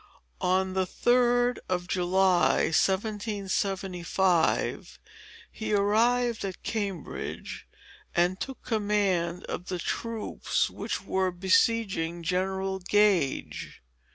On the 3d of July, 1775, he arrived at Cambridge, and took command of the troops which were besieging General Gage.